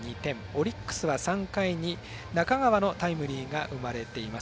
オリックスは３回に中川のタイムリーが生まれています。